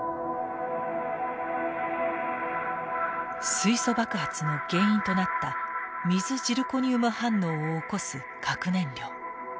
水素爆発の原因となった水ジルコニウム反応を起こす核燃料。